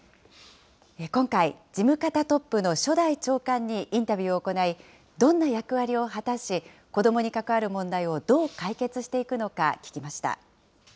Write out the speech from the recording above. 今回、事務方トップの初代長官にインタビューを行い、どんな役割を果たし、子どもに関わる問題をどう解決していくのか聞きました。